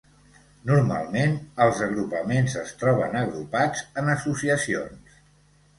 Normalment, els agrupaments es troben agrupats en associacions.